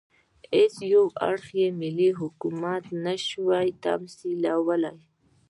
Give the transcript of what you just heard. هېڅ یو اړخ یې ملي حکومت نه شي تمثیلولای.